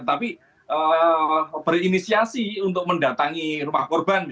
tapi berinisiasi untuk mendatangi rumah korporasi